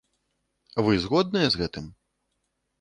Вы згодныя з гэтым?